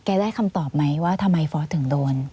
ได้คำตอบไหมว่าทำไมฟอสถึงโดน